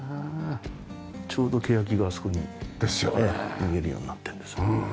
ちょうどケヤキがあそこに見えるようになってるんですよ。